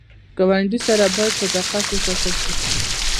ګاونډي سره باید صداقت وساتل شي